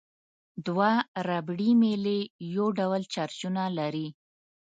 دوه ربړي میلې یو ډول چارجونه لري.